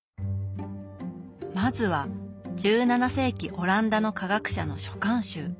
まずは１７世紀オランダの科学者の書簡集